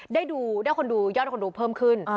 ได้คนดูยอดคนดูเพิ่มขึ้น